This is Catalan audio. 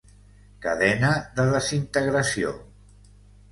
Cadena de desintegració.